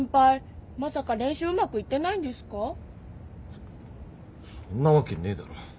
そそんなわけねえだろ。